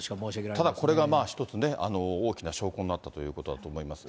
ただ、これが一つね、大きな証拠になったということだと思います。